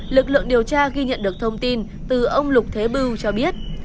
lực lượng điều tra ghi nhận được thông tin từ ông lục thế bưu cho biết